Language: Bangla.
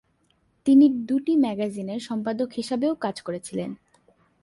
তিনি দুটি ম্যাগাজিনের সম্পাদক হিসাবেও কাজ করেছিলেন।